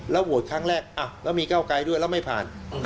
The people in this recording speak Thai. โหวตครั้งแรกแล้วมีเก้าไกลด้วยแล้วไม่ผ่าน